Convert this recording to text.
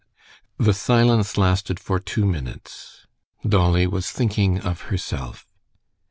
The silence lasted for two minutes: Dolly was thinking of herself.